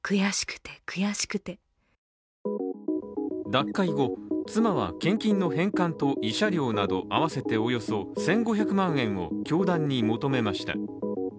脱会後、妻は献金の返還と慰謝料など合わせておよそ１５００万円を教団に求めました。